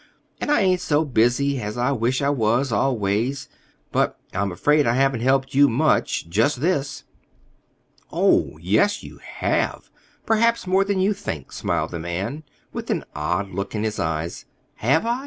and I ain't so busy as I wish I was, always. But I'm afraid I haven't helped you much—just this." "Oh, yes, you have—perhaps more than you think," smiled the man, with an odd look in his eyes. "Have I?